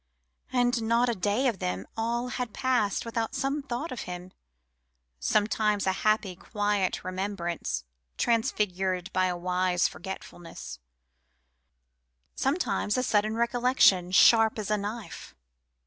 and not a day of them all had passed without some thought of him; sometimes a happy, quiet remembrance transfigured by a wise forgetfulness; sometimes a sudden recollection, sharp as a knife.